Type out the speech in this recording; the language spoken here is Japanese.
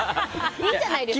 いいじゃないですか。